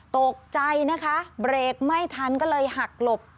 ตกใจนะคะเบรกไม่ทันก็เลยหักหลบ